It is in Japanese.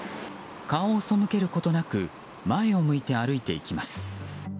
顔を背けることなく前を向いて歩いていきます。